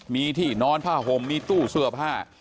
มีที่นอนผ้าห่มมีตู้เสื้อผ้า